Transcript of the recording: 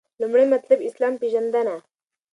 لومړی مطلب : اسلام پیژندنه